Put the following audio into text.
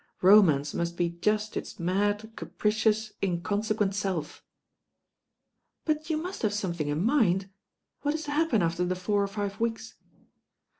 "Romance must be just its mad, capricious, inconsequent self." "But you must have something in mind. What is to happen after the four or five weeks?"